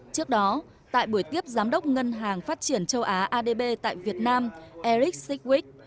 trước đó tại buổi tiếp giám đốc ngân hàng phát triển châu á adb tại việt nam eric sickwick